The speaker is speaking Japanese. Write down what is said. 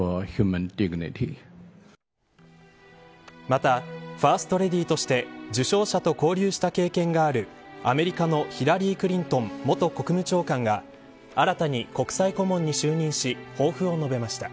またファーストレディーとして受賞者と交流した経験があるアメリカのヒラリー・クリントン元国務長官が新たに国際顧問に就任し抱負を述べました。